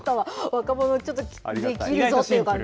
若者にちょっと。